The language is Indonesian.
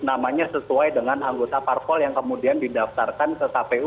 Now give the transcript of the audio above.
namanya sesuai dengan anggota parpol yang kemudian didaftarkan ke kpu